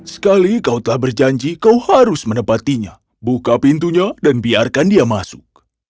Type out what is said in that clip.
sekali kau telah berjanji kau harus menepatinya buka pintunya dan biarkan dia masuk